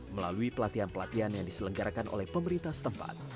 melalui pelatihan pelatihan yang diselenggarakan oleh pemerintah setempat